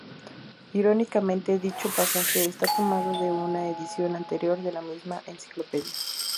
Irónicamente, dicho pasaje está tomado de una edición anterior de la misma enciclopedia.